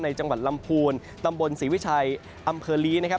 จังหวัดลำพูนตำบลศรีวิชัยอำเภอลีนะครับ